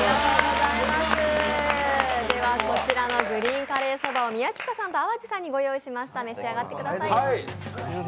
こちらのグリーンカレーソバを宮近さんと淡路さんにご用意しました。